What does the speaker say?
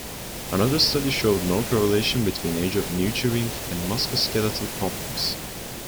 Another study showed no correlation between age of neutering and musculoskeletal problems.